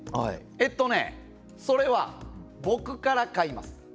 えっとね、それは僕から買います。